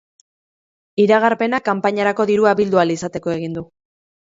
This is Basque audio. Iragarpena kanpainarako dirua bildu ahal izateko egin du.